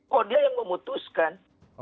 kok dia yang memutuskan